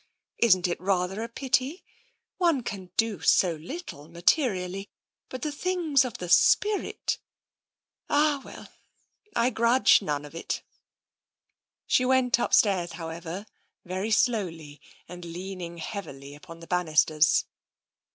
Isn't it rather a pity ? One can do so little, materially, but the things of the spirit ... Ah, well, I grudge none of it." She went upstairs, however, very slowly, and leaning heavily upon the banisters.